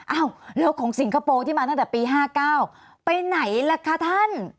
อ้าวแล้วของสิงคโปร์ที่มาตั้งแต่ปี๕๙ไปไหนล่ะคะท่าน